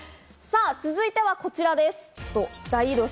続いてはこちらです。